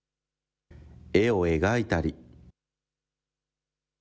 絵を描いたり。